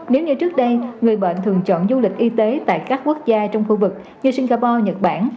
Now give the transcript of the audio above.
nếu như trước đây người bệnh thường chọn du lịch y tế tại các quốc gia trong khu vực như singapore nhật bản